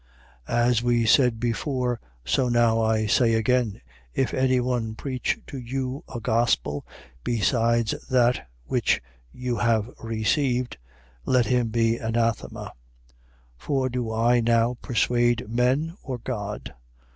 1:9. As we said before, so now I say again: If any one preach to you a gospel, besides that which you have received, let him be anathema. 1:10. For do I now persuade men, or God?